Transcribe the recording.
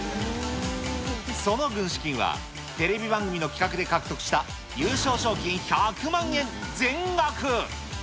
その軍資金がテレビ番組の企画で獲得した優勝賞金１００万円全額。